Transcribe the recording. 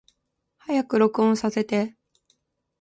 早く録音させて